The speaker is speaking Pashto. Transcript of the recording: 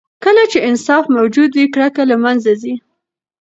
کله چې انصاف موجود وي، کرکه له منځه ځي.